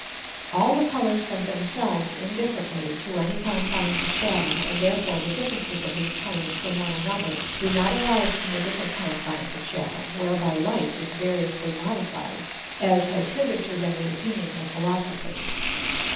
All the Colours have themselves indifferently to any Confines of Shadow, and therefore the differences of these Colours from one another, do not arise from the different Confines of Shadow, whereby Light is variously modified, as has hitherto been the Opinion of Philosophers.